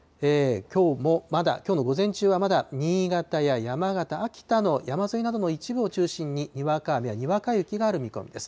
きょうの午前中はまだ新潟や山形、秋田の山沿いなどの一部を中心に、にわか雨やにわか雪がある見込みです。